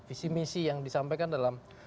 visi misi yang disampaikan dalam